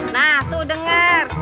nah tuh denger